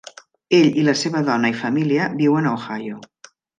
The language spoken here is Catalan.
Ell i la seva dona i familia viuen a Ohio.